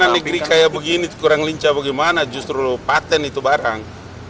karena negeri kayak begini kurang lincah bagaimana justru lo patent itu barang